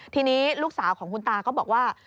ทีนี้ลูกสาวของคุณตาก็บอกว่า